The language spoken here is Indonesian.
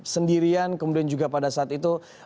sendirian kemudian juga pada saat itu